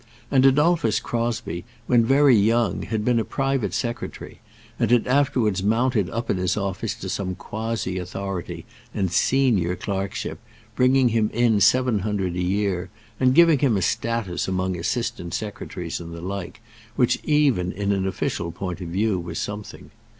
And Adolphus Crosbie, when very young, had been a private secretary, and had afterwards mounted up in his office to some quasi authority and senior clerkship, bringing him in seven hundred a year, and giving him a status among assistant secretaries and the like, which even in an official point of view was something.